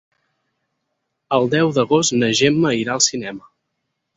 El deu d'agost na Gemma irà al cinema.